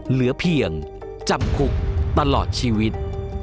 เหลือเพียงจำคุกตลอดชีวิต